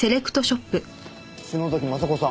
篠崎昌子さん